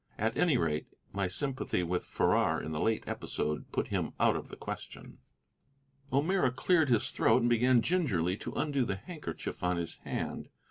At any rate, my sympathy with Farrar in the late episode put him out of the question. O'Meara cleared his throat and began gingerly to undo the handkerchief on his hand.